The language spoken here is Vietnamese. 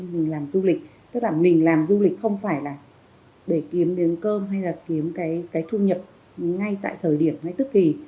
mình làm du lịch tức là mình làm du lịch không phải là để kiếm miếng cơm hay là kiếm cái thu nhập ngay tại thời điểm ngay tức kỳ